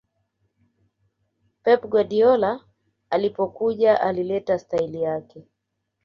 pep guardiola alipokuja alileta staili yake